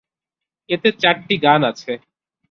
এতে চারটি গান রয়েছে।